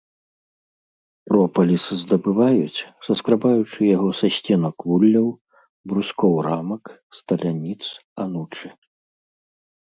Пропаліс здабываюць, саскрабаючы яго са сценак вулляў, брускоў рамак, сталяніц, анучы.